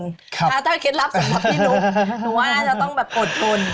ถ้าเคล็ดลับสำหรับพี่นุ๊กหนูว่าน่าจะต้องแบบอดทน